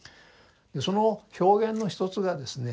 その表現の一つがですね